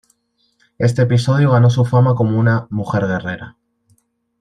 Este episodio ganó su fama como una "mujer guerrera".